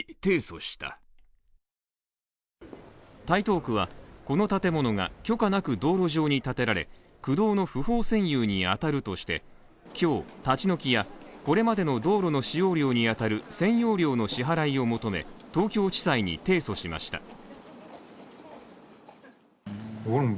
台東区は、この建物が許可なく道路上に建てられ、区道の不法占有に当たるとして、今日、立ち退きやこれまでの道路の使用料に当たる占用料の支払いを求め、東京地裁に提訴しました。